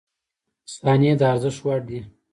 • ثانیې د ارزښت وړ دي.